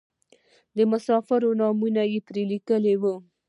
د مسافرو نومونه یې پرې لیکلي وو.